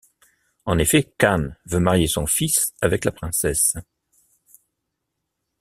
En effet Khan veut marier son fils avec la princesse.